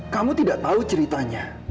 kamu tidak tahu ceritanya